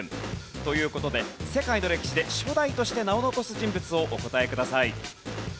という事で世界の歴史で初代として名を残す人物をお答えください。